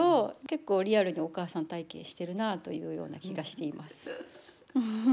結構リアルにお母さん体験してるなというような気がしています。